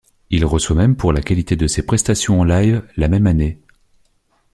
Il reçoit même pour la qualité de ses prestation en live, la même année.